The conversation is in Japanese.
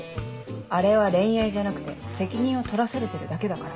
あれは恋愛じゃなくて責任を取らされてるだけだから。